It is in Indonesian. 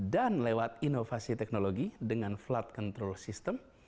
dan lewat inovasi teknologi dengan flood control system